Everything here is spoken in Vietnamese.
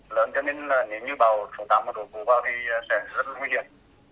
lớn cho nên là nếu như bão số tám mà đổ cứu vào thì sẽ rất nguy hiểm